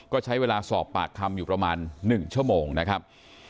ก็ใช้เวลาสอบปากคำอยู่ประมาณ๑ชั่วโมงนะครับ